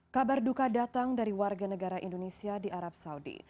kabar duka datang dari warga negara indonesia di arab saudi